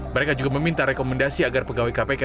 mereka juga meminta rekomendasi agar pegawai kpk